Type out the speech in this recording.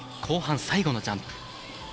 後半最後のジャンプ。